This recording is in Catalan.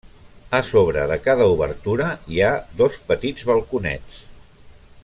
A sobre de cada obertura hi ha dos petits balconets.